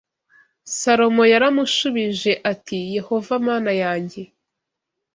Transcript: Salomo yaramushubije ati Yehova Mana yanjye